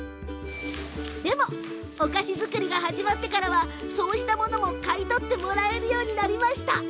でも、お菓子作りが始まってからは、そうしたものも買い取ってもらえるようになりました。